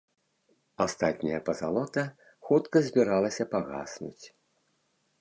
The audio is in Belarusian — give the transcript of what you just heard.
Астатняя пазалота хутка збіралася пагаснуць.